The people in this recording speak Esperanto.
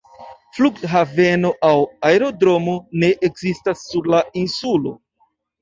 Flughaveno aŭ aerodromo ne ekzistas sur la insulo.